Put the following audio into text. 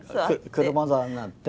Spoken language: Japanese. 車座になって。